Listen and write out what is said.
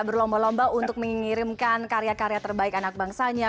berlomba lomba untuk mengirimkan karya karya terbaik anak bangsanya